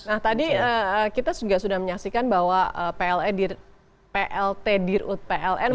nah tadi kita juga sudah menyaksikan bahwa plt dirut pln